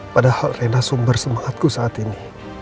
padahal rena sumber semangatku saat ini